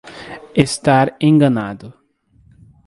Está enganado.